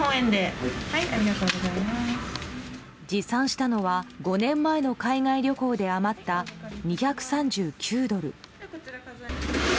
持参したのは５年前の海外旅行で余った２３９ドル。